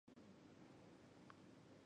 伦永亮官方网站